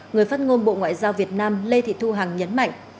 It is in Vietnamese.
người phát ngôn bộ ngoại giao việt nam lê thị thu hằng nhấn mạnh